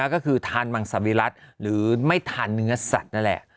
ก็คือทานมังสวิรัติหรือไม่ทานเนื้อสัตว์นั่นแหละ